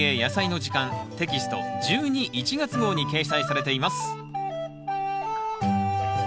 テキスト１２・１月号に掲載されています